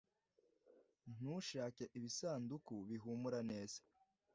ntushake ibisanduku bihumura neza